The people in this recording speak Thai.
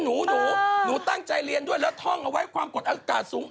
หนูหนูตั้งใจเรียนด้วยแล้วท่องเอาไว้ความกดอากาศสูง